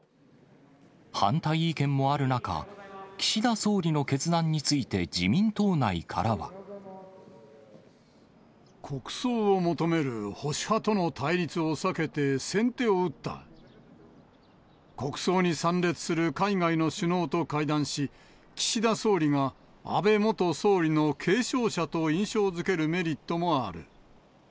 反対意見もある中、岸田総理の決断について自民党内からは。国葬を求める保守派との対立国葬に参列する海外の首脳と会談し、岸田総理が安倍元総理の継承者と印象づけるメリットもある。